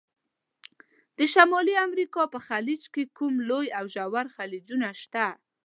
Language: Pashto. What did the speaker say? د شمالي امریکا په خلیج کې کوم لوی او ژور خلیجونه شته؟